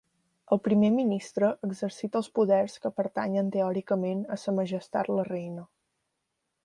El primer ministre exercita els poders que pertanyen teòricament a Sa Majestat la Reina.